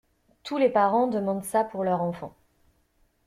Tous les parents demandent ça pour leur enfant.